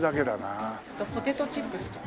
あとポテトチップスとか。